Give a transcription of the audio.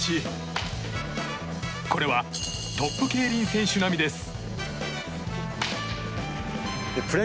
これはトップ競輪選手並みです。